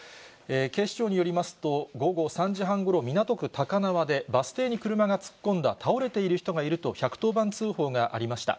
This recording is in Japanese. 警視庁によりますと、午後３時半ごろ、港区高輪でバス停に車が突っ込んだ、倒れている人がいると１１０番通報がありました。